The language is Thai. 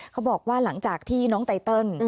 เขาบอกว่าหลังจากที่น้องไตเติล